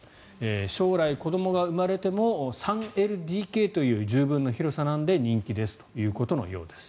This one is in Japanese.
将来、子どもが生まれても３ＬＤＫという十分な広さなので人気ですということのようです。